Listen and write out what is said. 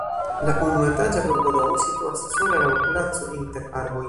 La unuetaĝa urbodomo situas sola laŭ placo inter arboj.